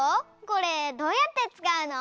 これどうやって使うの？